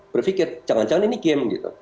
berpikir jangan jangan ini game gitu